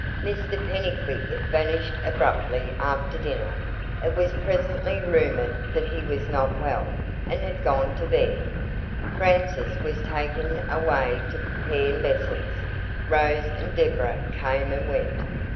Mr Pennycuick vanished abruptly after dinner; it was presently rumoured that he was not well, and had gone to bed. Frances was taken away to prepare lessons. Rose and Deborah came and went.